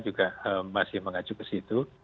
juga masih mengacu ke situ